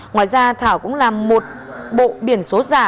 ngoài ra thảo cũng làm một bộ biển số giả